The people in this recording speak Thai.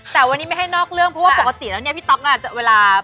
แต่วันนี้ไม่ให้นอกเรื่องเพราะว่าปกติแล้วเนี่ยพี่ต๊อกอ่ะเวลา